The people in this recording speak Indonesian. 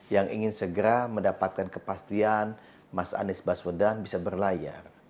yang ingin segera mendapatkan kepastian mas anies baswedan bisa berlayar